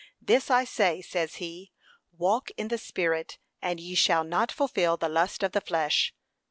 'This I say,' says he, 'Walk in the Spirit, and ye shall not fulfil the lust of the flesh.'